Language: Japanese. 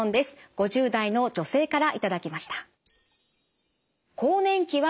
５０代の女性からいただきました。